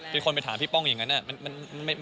เป็นคนไปถามพี่ป้องอย่างนั้นมัน